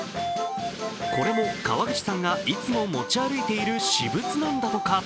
これも川口さんがいつも持ち歩いている私物なったとか。